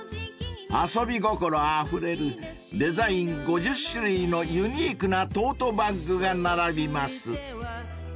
［遊び心あふれるデザイン５０種類のユニークなトートバッグが並びます］